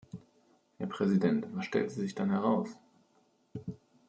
Herr Präsident, was stellte sich dann heraus?